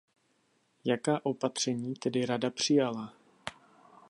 Jaká opatření tedy Rada přijala?